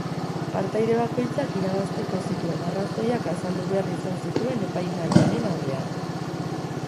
Partaide bakoitzak irabazteko zituen arrazoiak azaldu behar izan zituen epaimahaiaren aurrean.